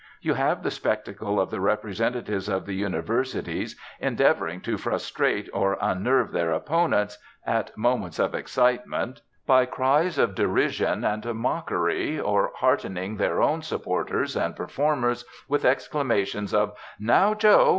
You have the spectacle of the representatives of the universities endeavouring to frustrate or unnerve their opponents, at moments of excitement, by cries of derision and mockery, or heartening their own supporters and performers with exclamations of 'Now, Joe!'